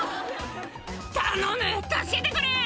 「頼む助けてくれ！」